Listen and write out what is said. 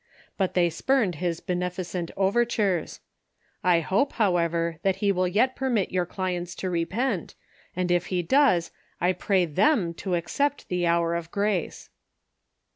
but they spurned his beneficent overtures. 1 liope, however, that he will yet permit your clients to repent, and if he does, I pray them to accept the hour of grace.